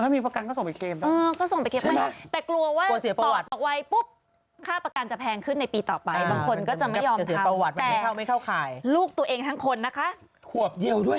มีประกันก็ส่งไปเคลม